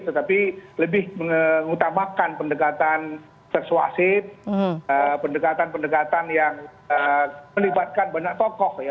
tetapi lebih mengutamakan pendekatan persuasif pendekatan pendekatan yang melibatkan banyak tokoh ya